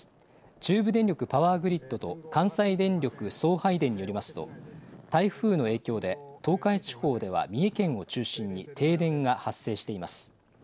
中部電力パワーグリッドと関西電力送配電によりますと、台風の影響で東海地方では三重県を中心に停電が発生しています。